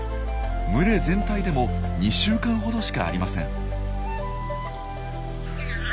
群れ全体でも２週間ほどしかありません。